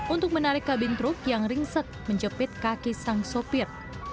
untuk menarik kabin truk yang ringsek menjepit kaki sang sopir